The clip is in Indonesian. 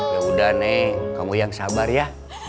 yaudah nek kamu yang sabar ya